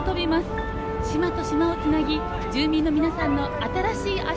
島と島をつなぎ住民の皆さんの新しい足となるのです。